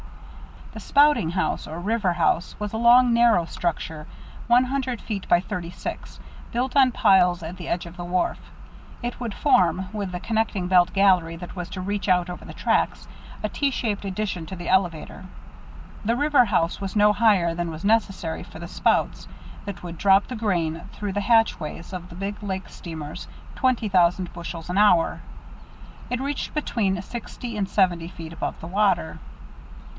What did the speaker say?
The spouting house, or "river house," was a long, narrow structure, one hundred feet by thirty six, built on piles at the edge of the wharf. It would form, with the connecting belt gallery that was to reach out over the tracks, a T shaped addition to the elevator. The river house was no higher than was necessary for the spouts that would drop the grain through the hatchways of the big lake steamers, twenty thousand bushels an hour it reached between sixty and seventy feet above the water.